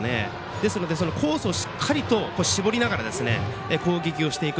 ですので、コースをしっかりと絞りながら攻撃をしていく。